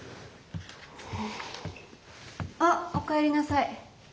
あっお帰りなさい。